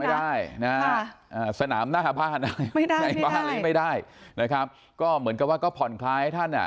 ไม่ได้นะฮะสนามหน้าบ้านอะไรไม่ได้บ้านนี้ไม่ได้นะครับก็เหมือนกับว่าก็ผ่อนคลายให้ท่านอ่ะ